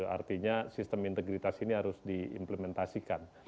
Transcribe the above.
artinya sistem integritas ini harus diimplementasikan